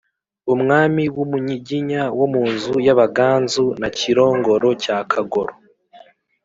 Umwami w’umunyiginya wo mu nzu y’Abaganzu na Kirongoro cya Kagoro